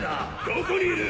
どこにいる？